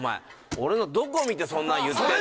俺のどこを見てそんなん言ってんだよ